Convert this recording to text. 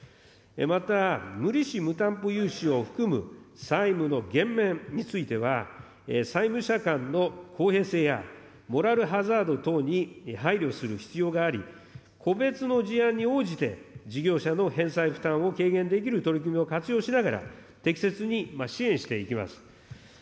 また、無利子・無担保融資を含む債務の減免については、債務者間の公平性や、モラルハザード等に配慮する必要があり、個別の事案に応じて、事業者の返済負担を軽減できる取り組みを活用しながら、適切に支援していきます。